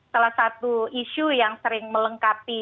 salah satu isu yang sering melengkapi